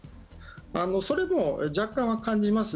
それも若干は感じます。